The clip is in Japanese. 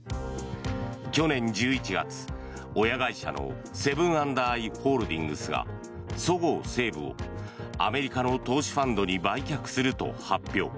去年１１月、親会社のセブン＆アイ・ホールディングスがそごう・西武をアメリカの投資ファンドに売却すると発表。